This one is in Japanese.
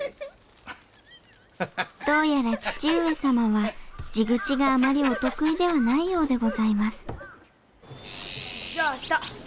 どうやら義父上様は地口があまりお得意ではないようでございますじゃあ明日きっと来ておくれよ。